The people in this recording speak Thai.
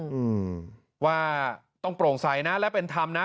อืมว่าต้องโปร่งใสนะและเป็นธรรมนะ